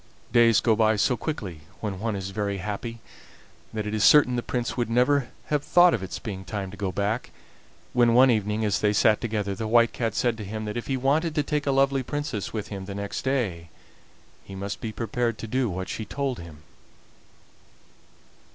Days go by so quickly when one is very happy that it is certain the Prince would never have thought of its being time to go back, when one evening as they sat together the White Cat said to him that if he wanted to take a lovely princess home with him the next day he must be prepared to do what she told him.